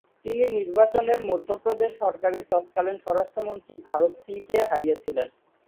তিনি নির্বাচনে মধ্যপ্রদেশ সরকারের তৎকালীন স্বরাষ্ট্রমন্ত্রী ভরত সিংকে হারিয়েছিলেন।